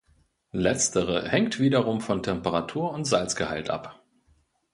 Letztere hängt wiederum von Temperatur und Salzgehalt ab.